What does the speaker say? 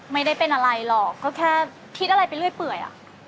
ไม่ได้เป็นอะไรหรอกก็แค่คิดอะไรไปเรื่อย